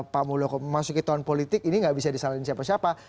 pak muldoko memasuki tahun politik ini nggak bisa disalahin siapa siapa